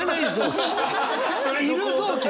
それいる臓器ね！